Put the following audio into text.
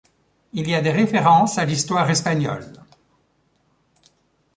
Il y a des références à l'histoire espagnole.